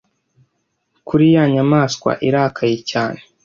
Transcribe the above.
kuri ya nyamaswa irakaye cyane